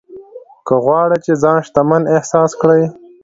که غواړې چې ځان شتمن احساس کړې.